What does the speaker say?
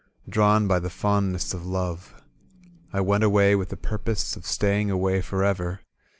Drawn by the fondness of love. I went away with the purpose Of staying away forever.